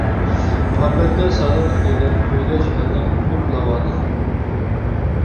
مۇھەببەتكە سادىق ئەقىدەم، كۆيگەچ ھەردەم ئوتلۇق لاۋادا.